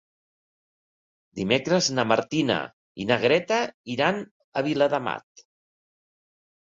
Dimecres na Martina i na Greta iran a Viladamat.